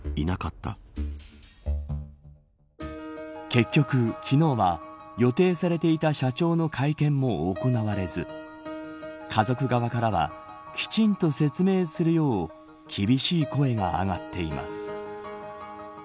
結局、昨日は予定されていた社長の会見も行われず家族側からはきちんと説明するよう厳しい声が上がっています。